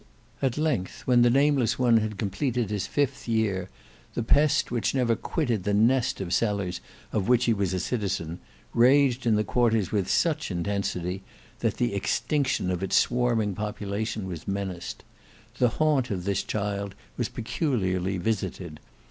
At length when the nameless one had completed his fifth year, the pest which never quitted the nest of cellars of which he was a citizen, raged in the quarter with such intensity, that the extinction of its swarming population was menaced. The haunt of this child was peculiarly visited.